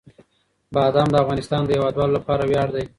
بادام د افغانستان د هیوادوالو لپاره ویاړ دی.